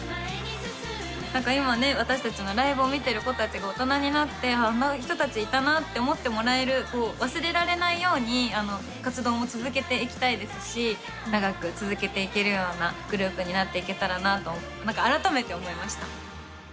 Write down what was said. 何か今ね私たちのライブを見てる子たちが大人になってあんな人たちいたなって思ってもらえる忘れられないように活動も続けていきたいですし長く続けていけるようなグループになっていけたらなと改めて思いました。